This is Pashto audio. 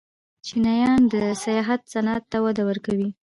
چینایان د سیاحت صنعت ته وده ورکوي.